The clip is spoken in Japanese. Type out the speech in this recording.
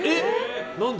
何で？